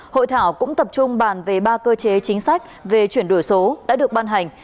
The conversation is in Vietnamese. hội thảo cũng tập trung bàn về ba cơ chế chính sách về chuyển đổi số đã được ban hành